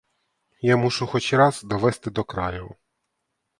Я мушу хоч раз довести до краю.